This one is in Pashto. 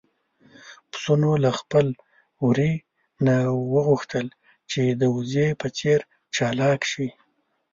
پسونو له خپل وري نه وغوښتل چې د وزې په څېر چالاک شي.